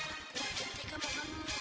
aku pentingkan kamu